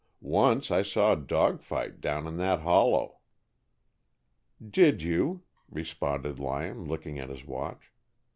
"Once I saw a dog fight down in that hollow." "Did you?" responded Lyon, looking at his watch.